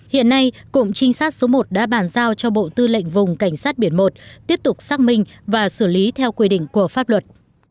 hiện nay cụm trinh sát số một đã bàn giao cho bộ tư lệnh vùng cảnh sát biển một tiếp tục xác minh và xử lý theo quy định của pháp luật